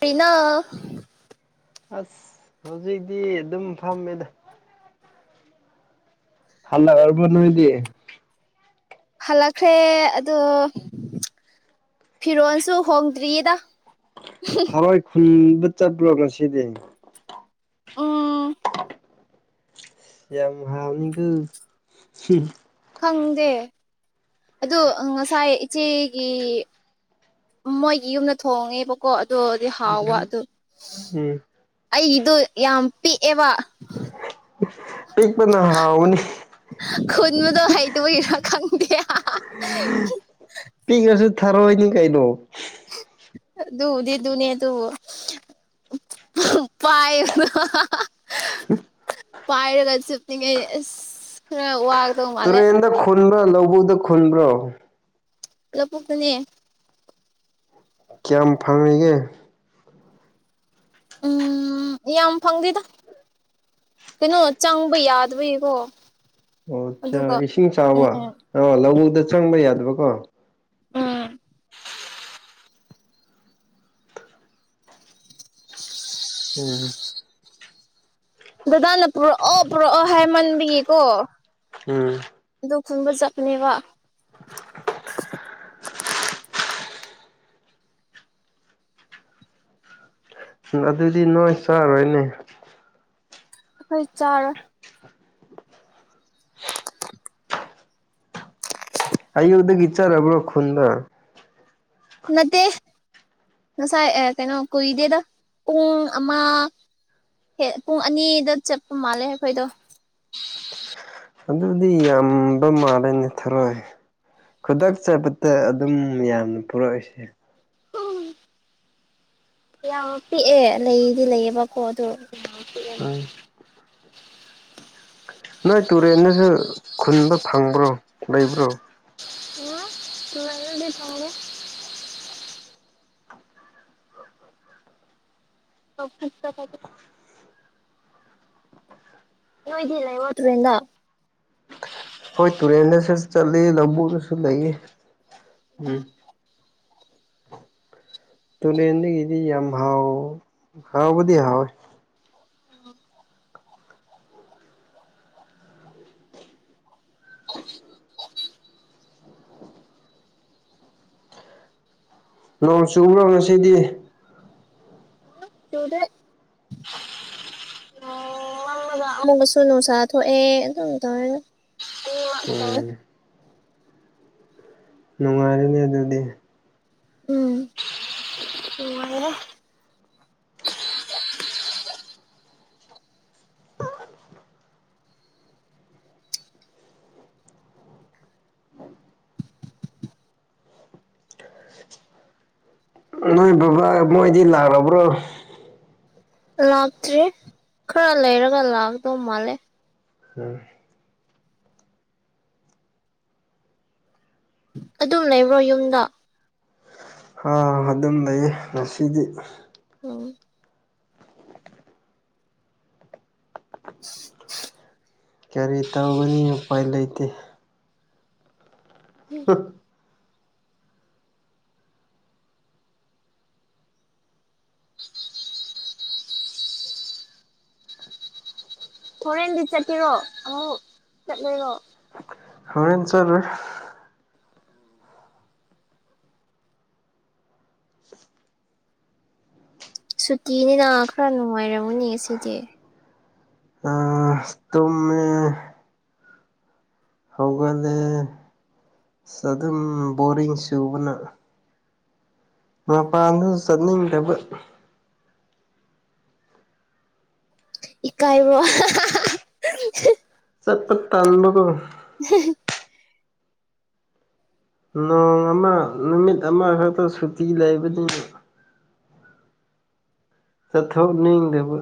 ꯀꯩꯅꯦ ꯑꯁ ꯍꯧꯖꯤꯛꯇꯤ ꯑꯗꯨꯝ ꯐꯝꯃꯦꯗ ꯍꯜꯂꯛ ꯑꯕꯣ ꯅꯣꯏꯗꯤ ꯍꯜꯂꯛꯈ꯭ꯔꯦ ꯑꯗꯣ ꯐꯤꯔꯣꯜꯁꯨ ꯍꯣꯡꯗ꯭ꯔꯤꯌꯦꯗ ꯍꯣꯏ ꯈꯨꯟꯗ ꯆꯠꯄ꯭ꯔꯣ ꯉꯁꯤꯗꯤ ꯎꯝ ꯌꯥꯝ ꯍꯥꯑꯣꯅꯤꯒꯥ ꯈꯪꯗꯦ ꯑꯗꯣ ꯉꯁꯥꯏ ꯏꯆꯦꯒꯤ ꯃꯣꯏꯒꯤ ꯌꯨꯝꯗ ꯊꯣꯡꯉꯦꯕꯀꯣ ꯑꯗꯨꯗꯤ ꯍꯥꯎꯕ ꯑꯗꯣ ꯎꯝ ꯑꯩꯗꯣ ꯌꯥꯝ ꯄꯤꯛꯑꯦꯕ ꯄꯤꯛꯄꯅ ꯍꯥꯎꯕꯅꯤ ꯈꯨꯨꯟꯕꯗꯣ ꯍꯩꯇꯕꯩꯔ ꯈꯪꯗꯦ ꯄꯤꯛꯂꯁꯨ ꯊꯔꯣꯏꯅꯤ ꯀꯩꯅꯣ ꯑꯗꯨꯕꯨꯗꯤ ꯑꯗꯨꯅꯤ ꯑꯗꯨ ꯄꯥꯏ [unintelligible] ꯄꯥꯏꯔꯒ ꯆꯨꯞꯅꯤꯡꯉꯩ ꯑꯁ ꯈꯔ ꯋꯥ ꯇꯨꯔꯦꯟꯗ ꯈꯨꯟꯕ꯭ꯔꯣ ꯂꯧꯕꯨꯗ ꯈꯨꯟꯕ꯭ꯔꯣ ꯂꯕꯨꯛꯇꯅꯦ ꯀꯌꯥꯝ ꯐꯪꯉꯤꯒꯦ ꯎꯝ ꯌꯥꯝ ꯐꯪꯗꯦꯗ ꯀꯩꯅꯣ ꯆꯪꯕ ꯌꯥꯗꯕꯒꯤꯀꯣ ꯑꯗꯨꯒ ꯑꯣ ꯏꯁꯤꯡ ꯆꯥꯎꯥꯕ ꯎꯝ ꯑꯣ ꯂꯧꯕꯨꯛꯇ ꯆꯪꯕ ꯌꯥꯗꯕꯀꯣ ꯎꯝ ꯎꯝ ꯗꯗꯥꯅ ꯄꯨꯔꯛꯑꯣ ꯄꯨꯔꯛꯑꯣ ꯍꯥꯏꯃꯟꯕꯒꯤꯀꯣ ꯎꯝ ꯑꯗꯨ ꯈꯟꯕ ꯆꯠꯂꯦꯕ ꯎꯝ ꯑꯗꯨꯗꯤ ꯅꯣꯏ ꯆꯥꯔꯣꯏꯅꯦ ꯍꯣꯏ ꯆꯥꯔꯣꯢ ꯑꯌꯨꯛꯗꯒꯤ ꯆꯠꯔꯕꯣ ꯈꯨꯟꯗꯥ ꯅꯠꯇꯦ ꯉꯁꯥꯏ ꯑꯥ ꯀꯩꯅꯣ ꯀꯨꯏꯗꯦꯗ ꯄꯨꯡ ꯑꯃ ꯍꯦ ꯄꯨꯡ ꯑꯅꯤꯗ ꯆꯠꯄ ꯃꯥꯜꯂꯦ ꯑꯩꯈꯣꯏꯗꯣ ꯑꯗꯨꯗꯤ ꯌꯥꯝꯕ ꯃꯥꯜꯂꯦꯅꯦ ꯊꯔꯣꯏ ꯈꯨꯗꯛ ꯆꯄꯗ ꯑꯗꯨꯝ ꯌꯥꯝꯅ ꯄꯨꯔꯛꯏꯁꯦ ꯎꯝ ꯌꯥꯝ ꯄꯤꯛꯑꯦ ꯂꯩꯗꯤ ꯂꯩꯌꯦꯕꯀꯣ ꯑꯗꯨ ꯄꯤꯛꯑꯦꯕ ꯎꯝ ꯅꯣꯏ ꯇꯨꯔꯦꯟꯗꯁꯨ ꯈꯨꯟꯕ ꯐꯪꯕ꯭ꯔꯣ ꯂꯩꯕ꯭ꯔꯣ [unintelligible] ꯊꯣꯡꯒꯦ [unintelligible] ꯅꯣꯏꯗꯤ ꯂꯩꯌꯣꯇꯨꯔꯦꯟꯗ ꯍꯣꯏ ꯇꯨꯔꯦꯟꯗꯁꯨ ꯆꯠꯂꯤ ꯂꯕꯨꯛꯗꯁꯨ ꯂꯩ ꯎꯝ ꯇꯨꯔꯦꯟꯗꯒꯤꯗꯤ ꯌꯥꯝ ꯍꯥꯎ ꯍꯥꯎꯕꯗꯤ ꯍꯥꯎꯏ ꯎꯝ ꯅꯣꯡ ꯆꯨꯕ꯭ꯔꯣ ꯉꯁꯤꯗꯤ ꯆꯨꯗꯦ ꯑꯣ ꯑꯃꯨꯛꯒꯁꯨ ꯅꯨꯡꯁꯥ ꯊꯣꯛꯑꯦ ꯑꯗꯨꯝ ꯇꯧꯔꯦꯒ ꯑꯅꯤꯃꯛ ꯇꯧꯋꯦ ꯎꯝ ꯅꯨꯡꯉꯥꯏꯔꯦꯅꯦ ꯑꯗꯨꯗꯤ ꯎꯝ ꯅꯨꯉꯥꯢꯔꯦ ꯅꯣꯏ ꯕꯕꯥ ꯃꯣꯏꯗꯤ ꯂꯥꯛꯔꯕ꯭ꯔꯣ ꯂꯥꯛꯇ꯭ꯔꯤ ꯈꯔ ꯂꯩꯔꯒ ꯂꯥꯛꯗꯧ ꯃꯥꯜꯂꯦ ꯎꯝ ꯑꯗꯨꯝ ꯂꯩꯕ꯭ꯔꯣ ꯌꯨꯝꯗ ꯑꯥ ꯑꯗꯨꯝ ꯂꯩꯌꯦ ꯉꯁꯤꯗꯤ ꯎꯝ ꯀꯔꯤ ꯇꯧꯒꯅꯤ ꯎꯄꯥꯏ ꯂꯩꯇꯦ ꯍꯝ ꯍꯣꯔꯦꯟꯗꯤ ꯆꯠꯄꯤꯔꯣ ꯑꯃꯨꯛ ꯆꯠꯂꯣꯏꯔꯣ ꯍꯧꯔꯦꯟ ꯆꯂꯣꯢ ꯁꯨꯇꯤꯅꯤꯅ ꯈꯔ ꯅꯨꯡꯉꯥꯏꯔꯝꯒꯅꯤ ꯉ ꯁꯤꯗꯤ ꯑ ꯇꯨꯃꯦ ꯍꯧꯒꯂꯦ ꯑꯁ ꯑꯗꯨꯝ ꯕꯣꯔꯤꯡ ꯆꯨꯕꯅ ꯃꯄꯥꯟꯗꯨ ꯆꯠꯅꯤꯡꯗꯕ ꯏ ꯀꯥꯏꯕꯣ [unintelligible] ꯆꯠꯄ ꯇꯥꯟꯕꯒꯣ [unintelligible] ꯅꯣꯡ ꯑꯃ ꯅꯨꯃꯤꯠ ꯑꯃꯈꯛꯇ ꯁꯨꯇꯤ ꯂꯩꯕꯅꯤ ꯆꯠꯊꯣꯛꯅꯤꯡꯗꯦꯕ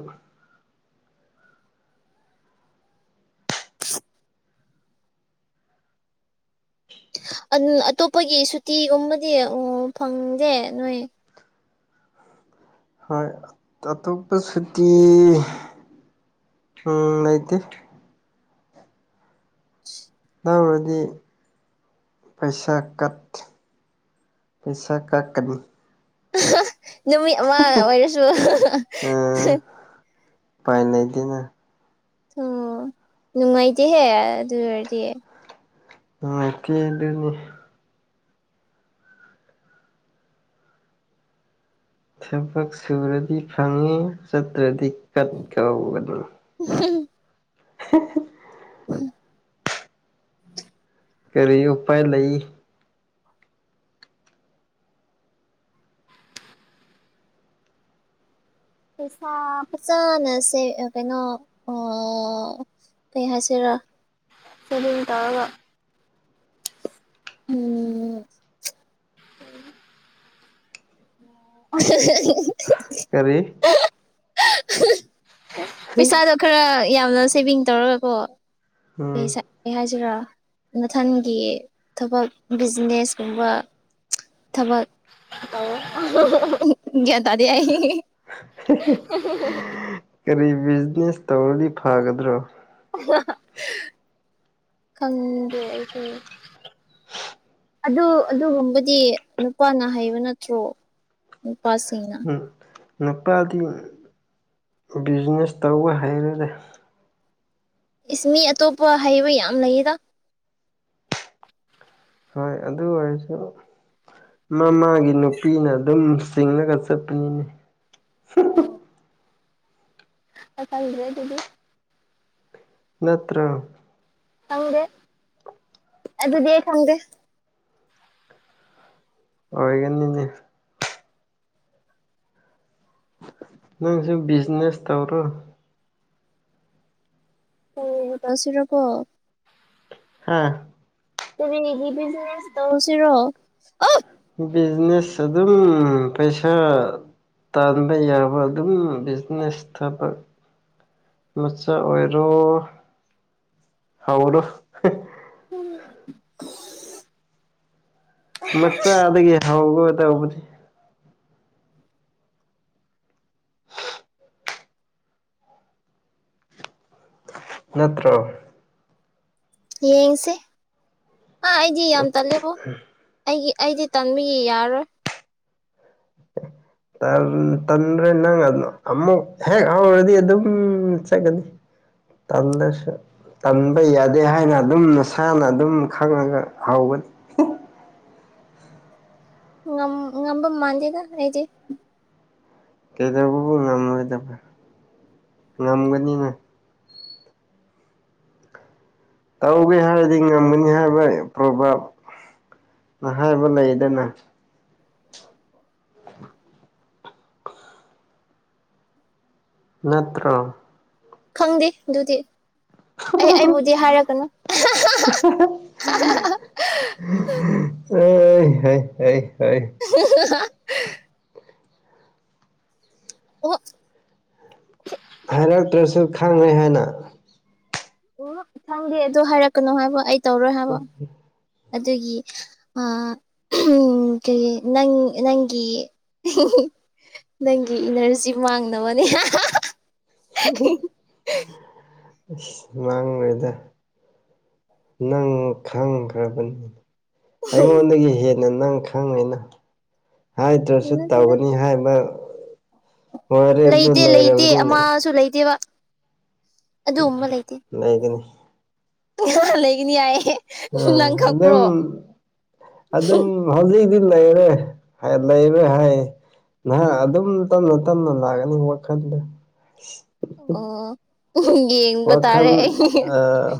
[unintelligible] ꯑꯗꯨ ꯑꯇꯣꯞꯄꯒꯤ ꯁꯨꯇꯤꯒꯨꯝꯕꯗꯤ ꯎ ꯐꯪꯗꯦ ꯅꯣꯏ꯫ ꯍꯣꯏ ꯑꯇꯣꯞꯄ ꯁꯨꯇꯤ ꯂꯩꯇꯦ [unintelligible] ꯇꯥꯎꯔꯗꯤ ꯄꯩꯁꯥ ꯀꯠ ꯄꯩꯁꯥ ꯀꯠꯀꯅꯤ ꯅꯨꯃꯤꯠ ꯑꯃ ꯑꯣꯏꯔꯁꯨ ꯄꯥꯏ ꯂꯩꯗꯦꯅ ꯑꯣ ꯅꯨꯡꯉꯥꯏꯇꯦꯍꯦ ꯑꯗꯨ ꯑꯣꯏꯔꯗꯤ ꯅꯨꯪꯉꯥꯏꯇꯦ ꯑꯗꯨꯅꯤ ꯊꯕꯛ ꯁꯨꯔꯗꯤ ꯐꯪꯉꯦ ꯆꯠꯇ꯭ꯔꯗꯤ ꯀꯠ ꯀꯧꯕꯅꯤ꯫ [unintelligible] [unintelligible] ꯎꯝ ꯀꯔꯤ ꯎꯄꯥꯏ ꯂꯩ ꯄꯩꯁꯥ ꯐꯖꯥꯅꯁꯦ ꯀꯩꯅꯣ ꯑꯣ ꯀꯩ ꯍꯥꯏꯁꯤꯔ ꯁꯦꯕꯤꯡ ꯇꯧꯔꯒ ꯎꯝ [unintelligible] ꯀꯔꯤ ꯄꯩꯁꯥꯗꯣ ꯈꯔ ꯌꯥꯝꯅ ꯁꯦꯚꯤꯡ ꯇꯧꯔꯒꯀꯣ ꯎꯝ ꯄꯩꯁꯥ ꯑꯩ ꯍꯥꯏꯁꯤꯔ ꯃꯊꯟꯒꯤ ꯊꯕꯛ ꯕꯤꯖꯤꯅꯦꯁ ꯀꯨꯝꯕ ꯊꯕꯛ ꯒꯌ꯭ꯥꯟ ꯇꯥꯗꯦ ꯑꯩ [unintelligible] ꯀꯔꯤ ꯕꯤꯖꯤꯅꯦꯁ ꯇꯧꯔꯗꯤ ꯐꯒꯗ꯭ꯔꯣ ꯈꯪꯗꯦ ꯑꯩꯁꯨ ꯑꯗꯨ ꯑꯗꯨꯒꯨꯝꯕꯗꯤ ꯅꯨꯄꯥꯅ ꯍꯩꯕ ꯅꯠꯇ꯭ꯔꯣ ꯅꯨꯄꯥꯁꯤꯡꯅ ꯎꯝ ꯅꯨꯄꯥꯗꯤ ꯕꯤꯖꯤꯅꯦꯁ ꯇꯧꯕ ꯍꯩꯔꯣꯏꯗ ꯏꯁ ꯃꯤ ꯑꯇꯣꯞꯄ ꯍꯩꯕ ꯌꯥꯝ ꯂꯩꯗ ꯍꯣꯏ ꯑꯗꯨ ꯑꯣꯏꯔꯁꯨ ꯅꯣꯏ ꯅꯣꯏꯒꯤ ꯅꯨꯄꯤꯅ ꯑꯗꯨꯝ ꯆꯤꯡꯂꯒ ꯆꯠꯄꯅꯤꯅꯦ [unintelligible] [inaudible] ꯅꯠꯇꯔꯣ꯫ ꯈꯪꯗꯦ ꯑꯗꯨꯗꯤ ꯑꯩ ꯈꯪꯗꯦ ꯑꯣꯏꯒꯅꯤꯅꯦ ꯅꯪꯁꯨ ꯕꯤꯖꯤꯅꯦꯁ ꯇꯧꯔꯣ [unintelligible] ꯍꯥꯥ [unintelligible] ꯕꯤꯖꯤꯅꯦꯁ ꯑꯗꯨꯝ ꯄꯩꯁꯥ ꯇꯥꯟꯕ ꯌꯥꯕ ꯑꯗꯨꯝ ꯕꯤꯖꯤꯅꯦꯁ ꯊꯕꯛ ꯃꯆꯥ ꯑꯣꯏꯔꯣ ꯍꯧꯔꯣ ꯑꯁ ꯃꯆꯥꯗꯒꯤ ꯍꯧꯒꯗꯧꯕꯅꯤ ꯅꯠꯇ꯭ꯔꯣ ꯌꯦꯡꯁꯦ ꯑꯥ ꯑꯩꯗꯤ ꯌꯥꯝ ꯇꯜꯂꯦꯕꯣ ꯑꯩꯒꯤ ꯑꯩꯗꯤ ꯇꯟꯕꯒꯤ ꯌꯥꯔꯣꯏ [unintelligible] ꯇꯟꯗ꯭ꯔꯦ ꯅꯪ ꯑꯗꯨꯅ ꯑꯃꯨꯛ ꯍꯦꯛ ꯍꯥꯎꯔꯗꯤ ꯑꯗꯨꯝ ꯆꯠꯀꯅꯤ ꯇꯜꯂꯁꯨ ꯇꯟꯕ ꯌꯥꯗꯦ ꯍꯥꯏꯅ ꯑꯗꯨꯝ ꯅꯁꯥꯅ ꯑꯗꯨꯝ ꯈꯪꯉꯒ ꯍꯧꯒꯅꯤ ꯉꯝ ꯉꯝꯕ ꯃꯥꯟꯗꯦꯗ ꯑꯩꯗꯤ ꯀꯩꯗꯧꯕꯒꯤ ꯉꯝꯃꯣꯏꯗꯕ ꯉꯝꯒꯅꯤꯅꯦ ꯇꯧꯒꯦ ꯍꯥꯏꯔꯗꯤ ꯉꯝꯃꯅꯤ ꯍꯥꯏꯕ ꯄ꯭ꯔꯣꯚꯥꯞ ꯅ ꯍꯥꯏꯕ ꯂꯩꯗꯅ ꯑ ꯅꯠꯇ꯭ꯔꯣ ꯈꯪꯗꯦ ꯑꯗꯨꯗꯤ ꯑꯩ ꯑꯩꯕꯨꯗꯤ ꯍꯥꯏꯔꯛꯀꯅꯨ [unintelligible] ꯑꯦ ꯍ ꯍ ꯍ [unintelligible] ꯑꯣ ꯍꯥꯏꯔꯛꯇ꯭ꯔꯁꯨ ꯈꯪꯅꯩ ꯍꯥꯏꯅ ꯎ ꯈꯪꯗꯦ ꯑꯗꯨ ꯍꯥꯏꯔꯛꯀꯅꯨ ꯍꯥꯏꯕ ꯑꯩ ꯇꯧꯔꯣꯏ ꯍꯥꯏꯕ ꯑꯗꯨꯒꯤ ꯑ ꯎ ꯀ ꯅꯪ ꯅꯪꯒꯤ ꯅꯪꯒꯤ ꯏꯅꯔꯖꯤ ꯃꯥꯡꯅꯕꯅꯦ ꯏꯁ ꯃꯥꯡꯉꯣꯏꯗ ꯅꯪ ꯈꯪꯈ꯭ꯔꯕꯅꯤ ꯑꯩꯉꯣꯟꯗꯒꯤ ꯍꯦꯟꯅ ꯅꯪ ꯈꯪꯉꯦꯅ ꯍꯥꯏꯗ꯭ꯔꯁꯨ ꯅꯠꯇꯦꯗ ꯇꯧꯒꯅꯤ ꯍꯥꯏꯕ ꯋꯥꯔꯦ ꯑꯗꯨ ꯂꯩꯇꯦ ꯂꯩꯇꯦ ꯂꯩꯔꯕꯅꯤꯅ ꯑꯃꯁꯨ ꯂꯩꯇꯦꯕ ꯑꯗꯨꯒꯨꯝꯕ ꯂꯩꯇꯦ ꯂꯩꯒꯅꯤ ꯂꯩꯒꯅꯤ ꯍꯥꯏꯌꯦ ꯑ ꯅꯪ ꯑꯗꯨꯝ ꯈꯪꯕ꯭ꯔꯣ ꯑꯗꯨꯝ ꯍꯧꯖꯤꯛꯇꯤ ꯂꯩꯔꯦ ꯍꯥꯏ ꯂꯩꯔꯦ ꯍꯥꯏ ꯅꯍꯥꯛ ꯑꯗꯨꯝ ꯇꯞꯅ ꯇꯞꯅ ꯂꯥꯛꯀꯅꯤ ꯋꯥꯈꯜꯗ ꯑꯣ ꯌꯦꯡꯕ ꯋꯥꯈꯜ ꯇꯥꯔꯦ ꯑꯥ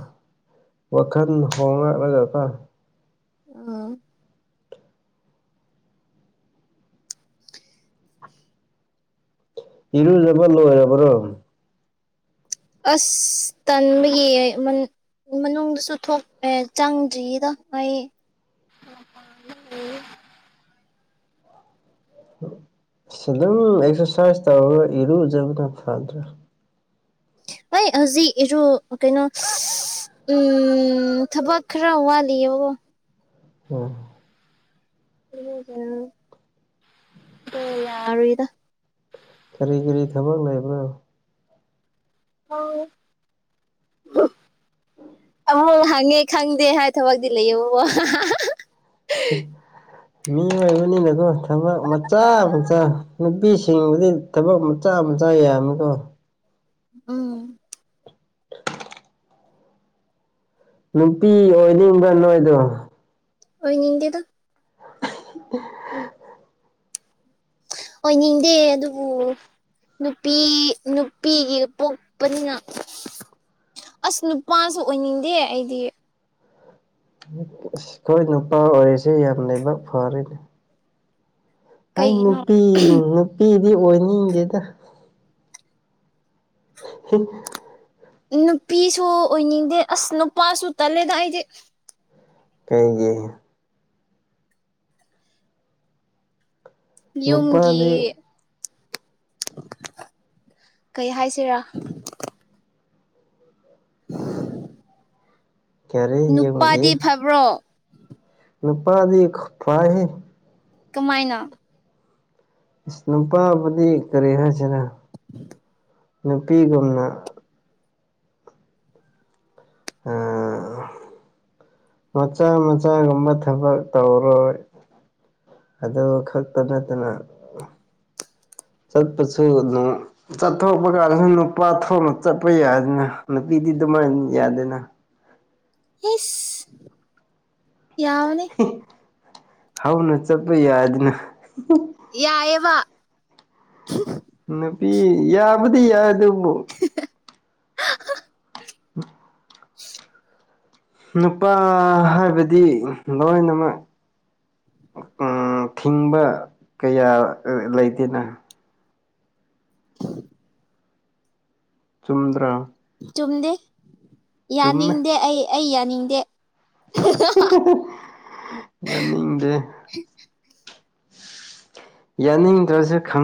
ꯋꯥꯈꯜ ꯍꯣꯡꯂꯛꯂꯒꯀꯣ ꯎꯝ ꯏꯔꯨꯖꯕ ꯂꯣꯏꯔꯕ꯭ꯔꯣ ꯑꯁ ꯇꯟꯕꯒꯤ ꯃꯅꯨꯡꯗꯁꯨ ꯊꯣꯛ ꯆꯪꯗ꯭ꯔꯤꯗ ꯑꯩ ꯑꯁ ꯑꯗꯨꯝ ꯑꯦꯛꯁꯔꯁꯥꯏꯁ ꯇꯧꯔꯒ ꯏꯔꯨꯖꯕꯗꯣ ꯐꯗ꯭ꯔꯥ ꯑꯩ ꯍꯧꯖꯤꯛ ꯏꯔꯨ ꯀꯩꯅꯣ ꯎꯝ ꯊꯕꯛ ꯈꯔ ꯋꯥꯂꯤꯕꯀꯣ ꯑꯣ ꯑꯗꯨꯅ ꯌꯥꯔꯤꯗ ꯀꯔꯤ ꯀꯔꯤ ꯊꯕꯛ ꯂꯩꯕ꯭ꯔꯣ ꯍꯥ ꯑꯣꯏ ꯍꯪꯉꯦ ꯈꯪꯗꯦ ꯍꯥꯏ ꯊꯕꯛꯇꯤ ꯂꯩꯌꯦꯕꯕꯣ ꯎꯝ ꯃꯤꯑꯣꯏꯕꯅꯤꯅꯀꯣ ꯊꯕꯛ ꯃꯆꯥ ꯃꯆꯥ ꯅꯨꯄꯤꯁꯤꯡꯕꯨꯗꯤ ꯊꯕꯛ ꯃꯆꯥ ꯃꯆꯥ ꯌꯥꯝꯃꯤꯀꯣ ꯎꯝ [unintelligible] ꯅꯨꯄꯤ ꯑꯣꯏꯅꯤꯡꯕ꯭ꯔꯥ ꯅꯣꯏꯗꯣ ꯑꯣꯏꯅꯤꯡꯗꯦꯗ [unintelligible] ꯑꯣꯏꯅꯤꯡꯗꯦ ꯑꯗꯨꯕꯨ ꯅꯨꯄꯤ ꯅꯨꯄꯤꯒꯤ ꯄꯣꯛꯄꯅꯤꯅ ꯑꯁ ꯅꯨꯄꯥꯁꯨ ꯑꯣꯏꯅꯤꯡꯗꯦ ꯑꯩꯗꯤ ꯑꯁ ꯑꯩꯈꯣꯏ ꯅꯨꯄꯥ ꯑꯣꯏꯔꯤꯁꯦ ꯌꯥꯝ ꯂꯥꯏꯕꯥꯛ ꯐꯔꯤꯅꯦ ꯑꯩ ꯀꯩꯒꯤꯅꯣ ꯅꯨꯄꯤ ꯅꯨꯄꯤꯗꯤ ꯑꯣꯏꯅꯤꯡꯗꯦꯗ ꯍꯝ ꯅꯨꯄꯤꯁꯨ ꯑꯣꯏꯅꯤꯡꯗꯦ ꯑꯁ ꯅꯨꯄꯥꯁꯨ ꯇꯜꯂꯦꯗ ꯑꯩꯗꯤ ꯀꯩꯒꯤ ꯌꯨꯝꯒꯤ ꯅꯨꯄꯥꯗꯤ ꯀꯩ ꯍꯥꯏꯁꯤꯔꯥ ꯀꯔꯤ ꯌꯨꯝꯒꯤ ꯅꯨꯄꯥꯗꯤ ꯐꯕ꯭ꯔꯣ ꯅꯨꯄꯥꯗꯤ ꯐꯩꯍꯦ ꯀꯃꯥꯏꯅ ꯏꯁ ꯅꯨꯄꯥꯕꯨꯗꯤ ꯀꯔꯤ ꯍꯥꯏꯁꯤꯔ ꯅꯨꯄꯤꯒꯨꯝꯅ ꯑ ꯃꯆꯥ ꯃꯆꯥꯒꯨꯝꯕ ꯊꯕꯛ ꯇꯧꯔꯣꯏ ꯑꯗꯨ ꯈꯛꯇ ꯅꯠꯇꯅ ꯆꯠꯄꯁꯨꯅ ꯆꯠꯊꯣꯛꯄ ꯀꯥꯟꯗꯁꯨ ꯅꯨꯄꯥ ꯊꯣꯛꯅ ꯆꯠꯄ ꯌꯥꯗꯅ ꯅꯨꯄꯤꯗꯤ ꯑꯗꯨꯃꯥꯏꯅ ꯌꯥꯗꯦꯅ ꯏꯁ ꯌꯥꯕꯅꯤ ꯍꯧꯅ ꯆꯠꯄ ꯌꯥꯗꯅ ꯌꯥꯢꯌꯦꯕ ꯅꯨꯄꯤ ꯌꯥꯕꯨꯗꯤ ꯌꯥꯏ ꯑꯗꯨꯕꯣ ꯍꯦ ꯍꯥ ꯍꯥ ꯎꯝ ꯅꯨꯄꯥ ꯍꯥꯏꯕꯗꯤ ꯂꯣꯏꯅꯃꯛ ꯊꯤꯡꯕ ꯀꯌꯥ ꯂꯩꯇꯦꯅ ꯆꯨꯝꯗ꯭ꯔꯥ ꯆꯨꯝꯗꯦ ꯆꯨꯝꯃꯦ ꯌꯥꯅꯤꯡꯗꯦ ꯑꯩ ꯑꯩ ꯌꯥꯅꯤꯡꯗꯦ ꯌꯥꯅꯤꯡꯗꯦ ꯌꯥꯅꯤꯡꯗ꯭ꯔꯁꯨ ꯈꯪ